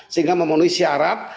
sehingga memenuhi syarat